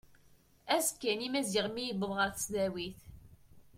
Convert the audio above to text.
Azekka-nni Maziɣ mi yewweḍ ɣer tesdawit.